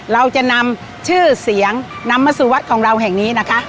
เราจะนำชื่อเสียงนำมาสู่วัดของเราแห่งนี้นะคะ